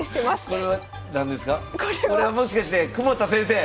これはもしかして窪田先生！